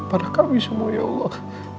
pada kami semua ya allah